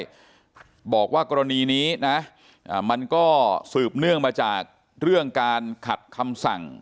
บอกว่ากรณีนี้นะมันก็สืบเนื่องมาจากเรื่องการขัดคำสั่ง